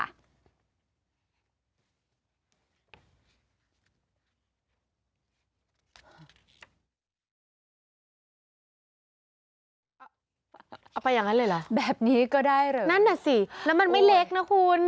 เอาไปอย่างนั้นเลยเหรอแบบนี้ก็ได้เลยนั่นน่ะสิแล้วมันไม่เล็กนะคุณ